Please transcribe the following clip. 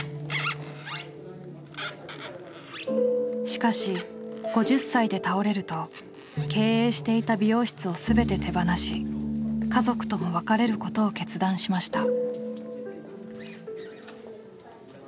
しかし５０歳で倒れると経営していた美容室を全て手放し家族とも別れることを決断しました。